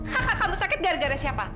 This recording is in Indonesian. hahaha kamu sakit gara gara siapa